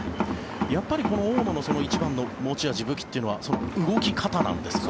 やっぱり大野の一番の持ち味武器というのは動き方なんですか？